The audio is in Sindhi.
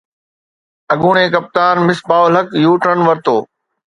اڳوڻي ڪپتان مصباح الحق يوٽرن ورتو